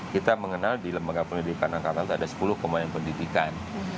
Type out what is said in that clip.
kita mengenal di lembaga pendidikan angkatan laut ada sepuluh pemain pendidikan